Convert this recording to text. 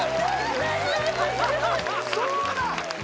そうだ！